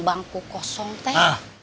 bangku kosong teh